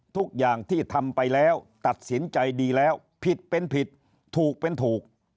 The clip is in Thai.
ทุกอย่างที่ทำไปแล้วตัดสินใจดีแล้วผิดเป็นผิดถูกเป็นถูก